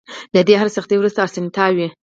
له هرې سختۍ وروسته ارسانتيا وي.